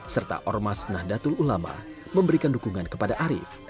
serta ormas nahdlatul ulama memberikan dukungan kepada arief